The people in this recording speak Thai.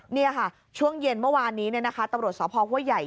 นี่ค่ะช่วงเย็นเมื่อวานนี้ตำรวจสพห้วยใหญ่